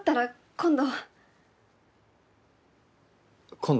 今度？